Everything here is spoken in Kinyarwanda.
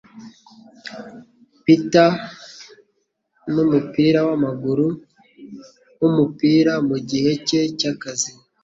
Peter numupira wamaguru wumupira mugihe cye cyakazi